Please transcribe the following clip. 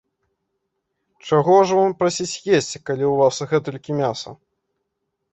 Чаго ж вам прасіць есці, калі ў вас гэтулькі мяса.